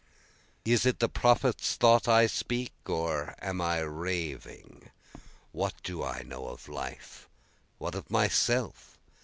Is it the prophet's thought I speak, or am I raving? What do I know of life? what of myself?